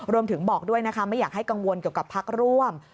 บอกด้วยนะคะไม่อยากให้กังวลเกี่ยวกับพักร่วม